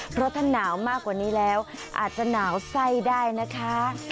เพราะถ้าหนาวมากกว่านี้แล้วอาจจะหนาวไส้ได้นะคะ